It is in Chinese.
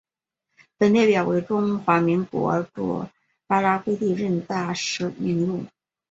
本列表为中华民国驻巴拉圭历任大使名录。